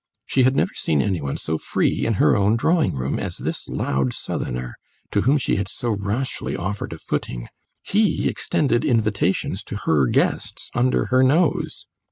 She had never seen any one so free in her own drawing room as this loud Southerner, to whom she had so rashly offered a footing; he extended invitations to her guests under her nose.